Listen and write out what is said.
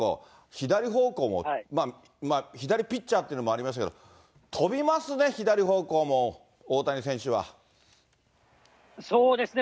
左方向も、左ピッチャーというのもありましたけど、飛びますね、左方向も、そうですね。